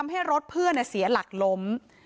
ให้รถเพื่อนเสียหลักล้ม